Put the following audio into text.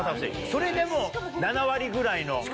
それでも７割ぐらいの力。